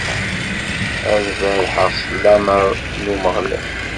Ad berrḥeɣ s lameṛ n Umeɣlal.